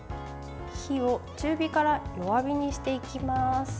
火を中火から弱火にしていきます。